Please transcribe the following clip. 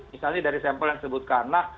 misalnya dari sampel yang disebutkanlah